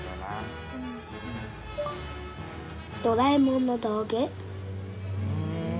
ドラえもんの道具。